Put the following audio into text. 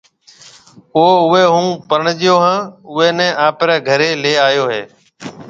او اُوئي هون پرڻيجو ھانَ اُوئي نَي آپرَي گھري لي آيو هيَ۔